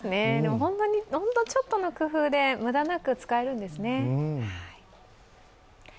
本当にちょっとの工夫で無駄なく使えるんですね。